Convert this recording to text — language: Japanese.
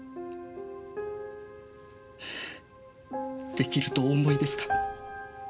できるとお思いですか？